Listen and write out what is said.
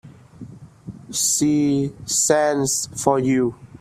She sends for you.